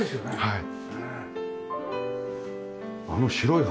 はい。